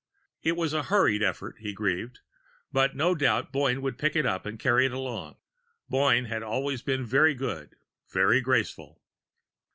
It was a hurried effort, he grieved, but no doubt Boyne would pick it up and carry it along. Boyne had always been very good, very graceful.